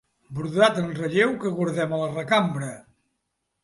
Brodat en relleu que guardem a la recambra.